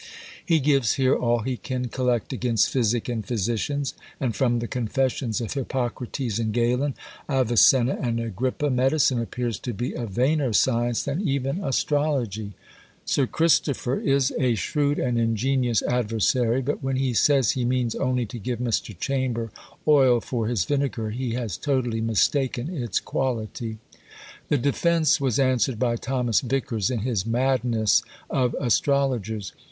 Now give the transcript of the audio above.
He gives here all he can collect against physic and physicians; and from the confessions of Hippocrates and Galen, Avicenna and Agrippa, medicine appears to be a vainer science than even astrology! Sir Christopher is a shrewd and ingenious adversary; but when he says he means only to give Mr. Chamber oil for his vinegar, he has totally mistaken its quality. The defence was answered by Thomas Vicars, in his "Madnesse of Astrologers."